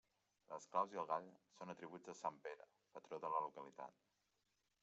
Les claus i el gall són atributs de sant Pere, patró de la localitat.